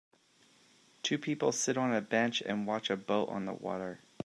Two people sit on a bench and watch a boat on the water.